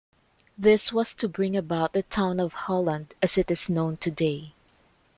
This was to bring about the town of Holland as it is known today.